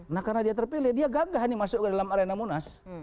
nah karena dia terpilih dia gagah nih masuk ke dalam arena munas